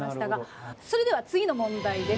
それでは次の問題です。